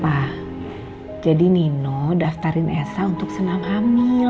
pak jadi nino daftarin esa untuk senam hamil